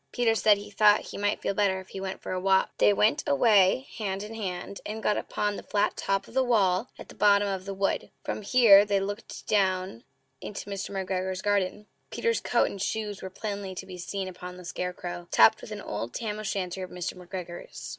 Peter said he thought he might feel better if he went for a walk. They went away hand in hand, and got upon the flat top of the wall at the bottom of the wood. From here they looked down into Mr. McGregor's garden. Peter's coat and shoes were plainly to be seen upon the scarecrow, topped with an old tam o' shanter of Mr. McGregor's.